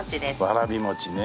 わらび餅ね。